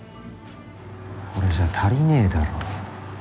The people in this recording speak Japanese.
これじゃ足りねえだろ。